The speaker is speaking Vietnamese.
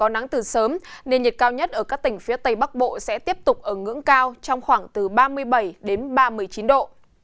nền nhiệt cao nhất ở các tỉnh phía tây bắc bộ sẽ tiếp tục ở ngưỡng cao trong khoảng từ ba mươi bảy ba mươi chín độ